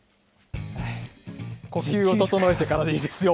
呼吸を整えてからでいいですよ。